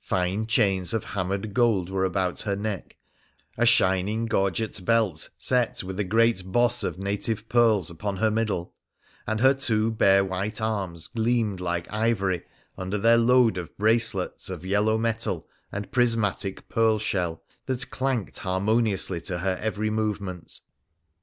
Fine chains of hammered gold were about her neck, a shining gorget belt set with a great boss of native pearls upon her middle, an "' ike PHRA THE PHCENICIAN 13 ivory under their load of bracelets of yellow metal and pris matic pearl shell that clanked harmoniously to her every movement.